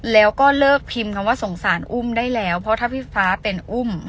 แล้วก็เลิกพิมพ์คำว่าสงสารอุ้มได้แล้วเพราะถ้าพี่ฟ้าเป็นอุ้ม